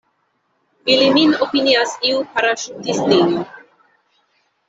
Ili min opinias iu paraŝutistino.